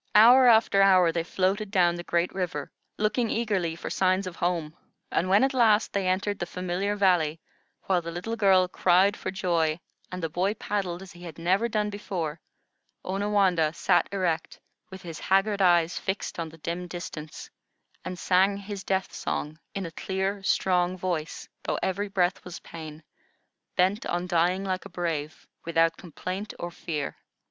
Hour after hour they floated down the great river, looking eagerly for signs of home, and when at last they entered the familiar valley, while the little girl cried for joy, and the boy paddled as he had never done before, Onawandah sat erect, with his haggard eyes fixed on the dim distance, and sang his death song in a clear, strong voice, though every breath was pain, bent on dying like a brave, without complaint or fear.